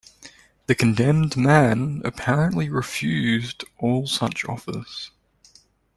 The condemned man apparently refused all such offers.